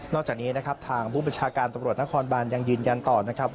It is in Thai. จากนี้นะครับทางผู้บัญชาการตำรวจนครบานยังยืนยันต่อนะครับ